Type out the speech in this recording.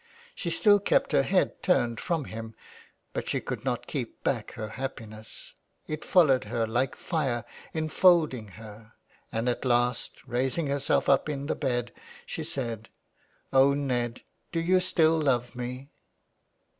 She still kept her head turned from him, but she could not keep back her happiness ; it followed her like fire, enfolding her, and at last, raising herself up in the bed, she said :—" Oh, Ned, do you still love me